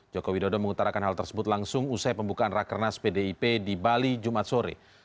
joko widodo mengutarakan hal tersebut langsung usai pembukaan rakernas pdip di bali jumat sore